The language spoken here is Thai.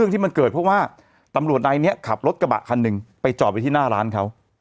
ตำรวจนายเนี้ยขับรถกระบะคันหนึ่งไปจอดไปที่หน้าร้านเขา